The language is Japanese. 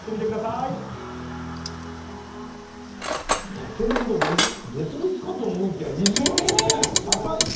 タケノコと別々かと思いきや一緒にねたたいて。